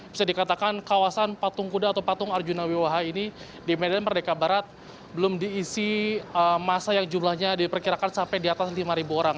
bisa dikatakan kawasan patung kuda atau patung arjuna wiwaha ini di medan merdeka barat belum diisi masa yang jumlahnya diperkirakan sampai di atas lima orang